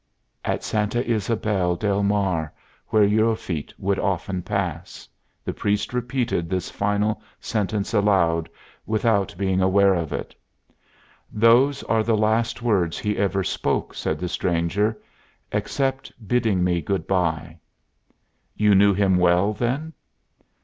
"'At Santa Ysabel del Mar, where your feet would often pass.'" The priest repeated this final sentence aloud, without being aware of it. "Those are the last words he ever spoke," said the stranger, "except bidding me good by." "You knew him well, then?"